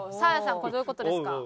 これどういう事ですか？